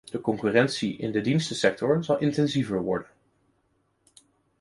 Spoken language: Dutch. De concurrentie in de dienstensector zal intensiever worden.